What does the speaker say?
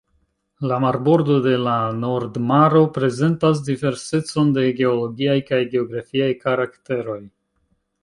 La marbordo de la Nord Maro prezentas diversecon de geologiaj kaj geografiaj karakteroj.